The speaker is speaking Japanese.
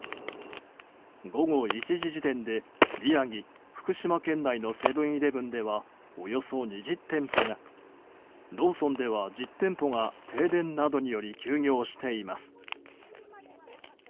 午後１時時点で宮城、福島県内のセブン‐イレブンではおよそ２０店舗がローソンでは１０店舗が停電などにより休業しています。